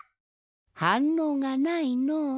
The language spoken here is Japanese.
はんのうがないのう。